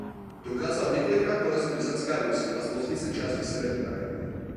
Dokázal několikrát porazit byzantská vojska a zmocnit se části severní Makedonie.